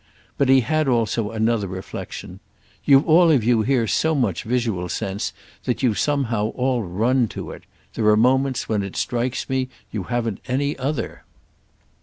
But he had also another reflexion. "You've all of you here so much visual sense that you've somehow all 'run' to it. There are moments when it strikes one that you haven't any other."